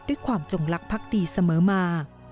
ด้วยความจงลักษณ์พรรคดีเสมอมา